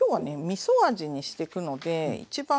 みそ味にしてくので一番